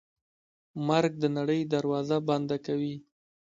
مرګ د نړۍ دروازه بنده کوي.